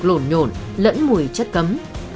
trong trong có nhiều cục lộn nhộn lẫn mùi chất cấm